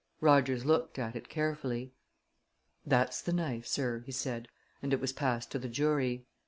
Rogers looked at it carefully. "That's the knife, sir," he said, and it was passed to the jury.